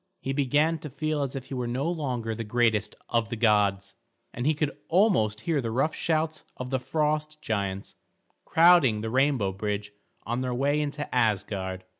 He began to feel as if he were no longer the greatest of the gods, and he could almost hear the rough shouts of the frost giants crowding the rainbow bridge on their way into Asgard.